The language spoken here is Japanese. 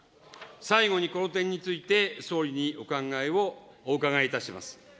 最後にこの点について、総理にお考えをお伺いいたします。